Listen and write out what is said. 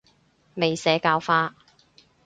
未社教化